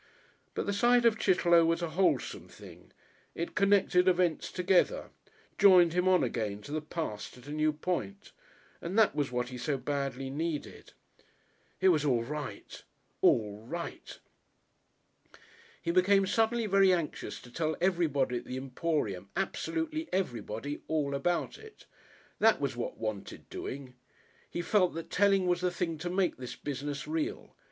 But the sight of Chitterlow was a wholesome thing, it connected events together, joined him on again to the past at a new point, and that was what he so badly needed.... It was all right all right. He became suddenly very anxious to tell everybody at the Emporium, absolutely everybody, all about it. That was what wanted doing. He felt that telling was the thing to make this business real.